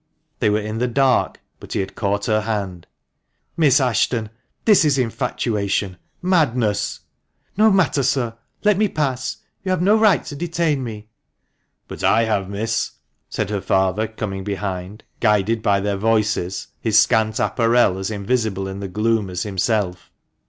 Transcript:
They were in the dark, but he had caught her hand. " Miss Ashton, this is infatuation — madness." "No matter, sir, let me pass; you have no right to detain me!" "But I have, miss," said her father coming behind, guided by their voices, his scant apparel as invisible in the gloom as himself.